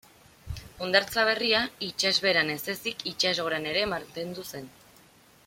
Hondartza berria itsasbeheran ez ezik itsasgoran ere mantendu zen.